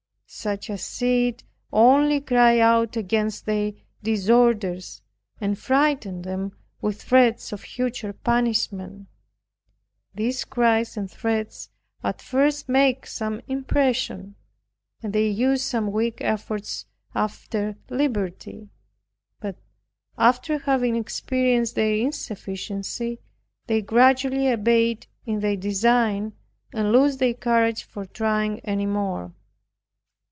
Such as see it only cry out against their disorders, and frighten them with threats of future punishment! These cries and threats at first make some impression, and they use some weak efforts after liberty, but, after having experienced their insufficiency, they gradually abate in their design, and lose their courage for trying any more.